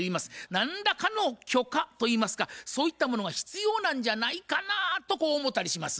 何らかの許可といいますかそういったものが必要なんじゃないかなとこう思うたりします。